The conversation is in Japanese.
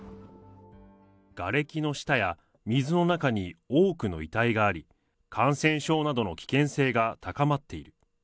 がれきの下や水の中に多くの遺体があり、感染症などの危険性が高まっている。